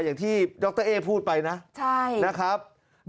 อย่างที่ดรเอ๊พูดไปนะนะครับ